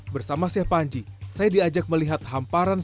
bersama syeh panji saya diajak melihat pondok yang berada di dalam pondok